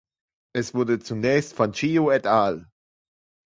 Es wurde zunächst von Chiu et al.